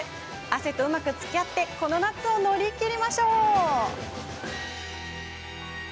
汗とうまくつきあってこの夏を乗り切りましょう。